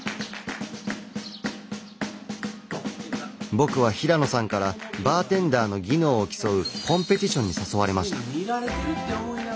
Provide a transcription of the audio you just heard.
僕は平野さんからバーテンダーの技能を競うコンペティションに誘われました。